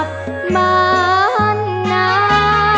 จากบ้านหน้า